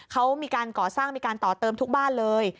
เขามีการก่อสร้างมีการต่อเติมทุกบ้านเลย